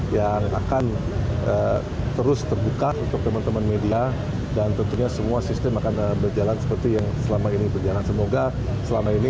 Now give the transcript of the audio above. yang akan terus terbuka untuk teman teman media dan tentunya semua sistem akan berjalan seperti yang selama ini berjalan semoga selama ini